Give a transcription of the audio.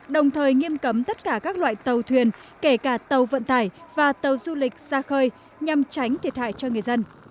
đồng thời nghiêm cấm tất cả các loại tàu thuyền kể cả tàu vận tải và tàu du lịch ra khơi nhằm tránh thiệt hại cho người dân